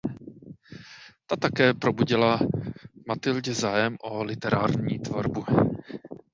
Ta také probudila v Mathilde zájem o literární tvorbu.